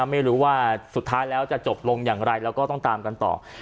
ไม่รู้ว่าสุดท้ายแล้วจะจบลงอย่างไรแล้วก็ต้องตามกันต่อ